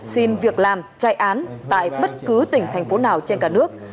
xin việc làm chạy án tại bất cứ tỉnh thành phố nào trên cả nước